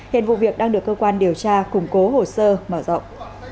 hiện vụ việc đang được cơ quan điều tra củng cố hồ sơ mở rộng